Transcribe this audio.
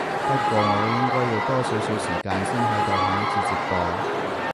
不過我應該要多少少時間先開到下一次直播